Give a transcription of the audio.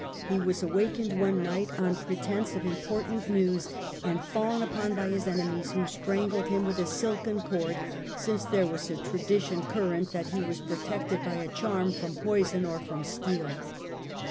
He was awaked one night on pretence of important news, and fallen upon by his enemies, who strangled him with a silken cord, since there was a tradition current that he was protected by a charm from poison or from steel.